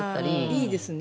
いいですね